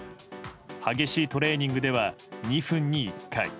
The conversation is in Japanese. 激しいトレーニングでは２分に１回。